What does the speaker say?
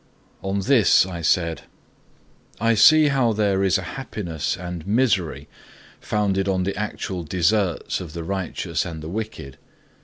V. On this I said: 'I see how there is a happiness and misery founded on the actual deserts of the righteous and the wicked.